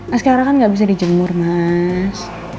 mas kara kan gak bisa dijemur mas